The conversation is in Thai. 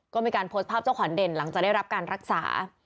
ก็มีการโพสต์ภาพเจ้าขวัญเด่นหลังจากได้รับการรักษา